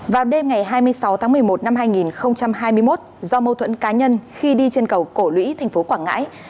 vào đêm ngày hai mươi sáu tháng một mươi một năm hai nghìn hai mươi một do mâu thuẫn cá nhân khi đi trên cầu cổ lũy tp quảng ngãi